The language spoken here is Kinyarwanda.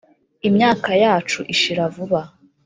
imyaka yacu ishira vuba.